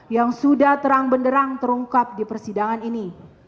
yang sudah terang benderang terungkap di persidangan ini